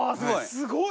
すごい！